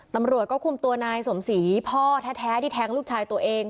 ตำรวจก็คุมตัวนายสมศรีพ่อแท้ที่แทงลูกชายตัวเอง